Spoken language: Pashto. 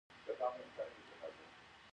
افغانستان کې د فاریاب په اړه زده کړه کېږي.